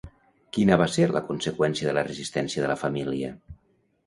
Quina va ser la conseqüència de la resistència de la família?